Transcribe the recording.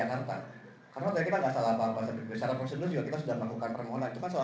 karena memang ini belum kesana pak jalannya pak